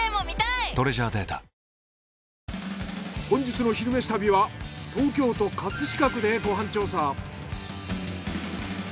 本日の「昼めし旅」は東京都葛飾区でご飯調査。